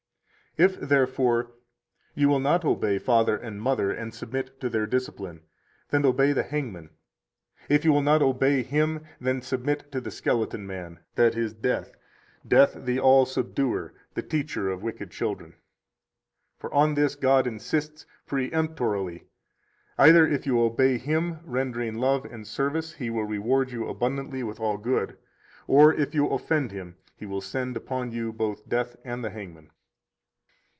135 If, therefore, you will not obey father and mother and submit to their discipline, then obey the hangman; if you will not obey him, then submit to the skeleton man, i.e., death [death the all subduer, the teacher of wicked children]. 136 For on this God insists peremptorily: Either if you obey Him, rendering love and service, He will reward you abundantly with all good, or if you offend Him, He will send upon you both death and the hangman.